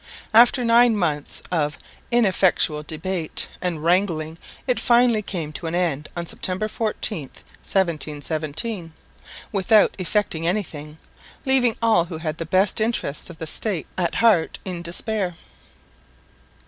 After nine months of ineffectual debate and wrangling it finally came to an end on September 14, 1717, without effecting anything, leaving all who had the best interests of the State at heart in despair.